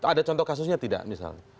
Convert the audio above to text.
ada contoh kasusnya tidak misalnya